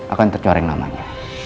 akan tercoreng namanya